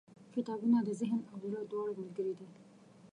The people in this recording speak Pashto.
• کتابونه د ذهن او زړه دواړو ملګري دي.